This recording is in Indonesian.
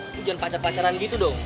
lu jangan pacet pacanan gitu dong